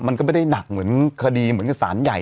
มันก็ไม่ได้หนักเหมือนคดีเหมือนกับสารใหญ่